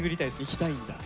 行きたいんだ。